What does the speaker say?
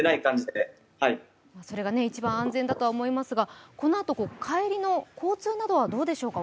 それが一番安全だと思いますがこのあと交通などはどうでしょうか？